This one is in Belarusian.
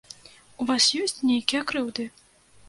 У вас ёсць нейкія крыўды?